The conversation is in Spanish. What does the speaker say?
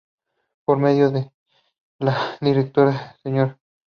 Por medio de la directora Sra.